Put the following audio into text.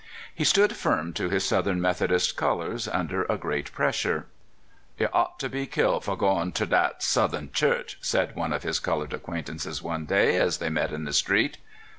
He stood firm to his Southern Methodist colors under a great pressure. " Yer ought ter be killed for goin* ter dat South ern Church," said one of his colored acquaint ances one day, as they met in the street.